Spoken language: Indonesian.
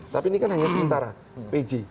tapi ini kan hanya sementara pj